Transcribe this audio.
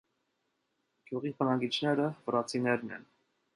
Գյուղի բնակիչները վրացիներն են։